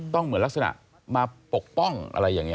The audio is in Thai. เหมือนลักษณะมาปกป้องอะไรอย่างนี้